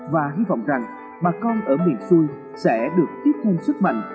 và hy vọng rằng bà con ở miền xuôi sẽ được tiếp thêm sức mạnh